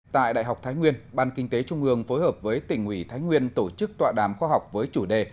tại đại học thái nguyên ban kinh tế trung ương phối hợp với tỉnh ủy thái nguyên tổ chức tọa đàm khoa học với chủ đề